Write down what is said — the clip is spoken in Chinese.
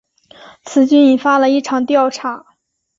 此举引发了一场调查。